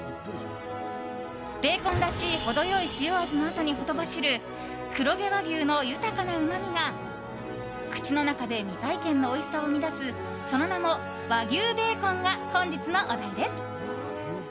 ベーコンらしい程良い塩味のあとにほとばしる黒毛和牛の豊かなうまみが口の中で未体験のおいしさを生み出すその名も和牛ベーコンが本日のお題です。